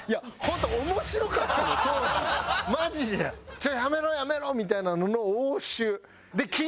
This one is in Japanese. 「ちょやめろやめろ！」みたいなのの応酬。